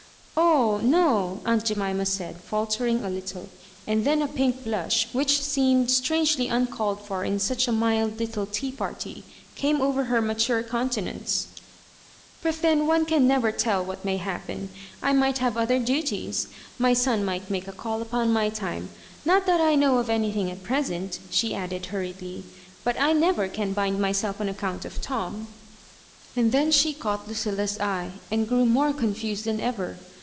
" Oh, no!" aunt Jemima said, faltering a little, and then a pink blush, which seemed strangely uncalled for in such a mild little tea party, came over her mature countenance ;" but then one can never tell what may happen. I might have other duties — my son might make a call upon my tima Not that I know of anythmg at present," she added, hurriedly, *' but I never can bind myself on account of Tom ^" And then she caught Lucilla's eye, and grew more confused tiian ever.